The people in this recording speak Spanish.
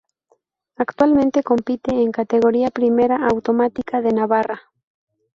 Actualmente compite en categoría Primera Autonómica de Navarra.